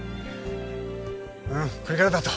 うんこれからだと。